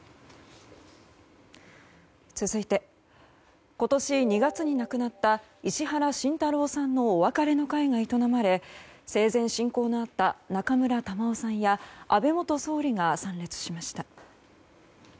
続いて今年２月に亡くなった石原慎太郎さんのお別れの会がいとなまれ生前親交のあった中村玉緒さんや安倍元総理が参列しました。